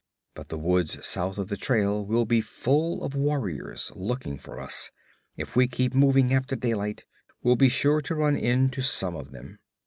But the woods south of the trail will be full of warriors looking for us. If we keep moving after daylight, we'll be sure to run into some of them.